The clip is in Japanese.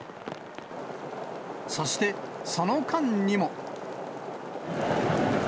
そしてその間にも。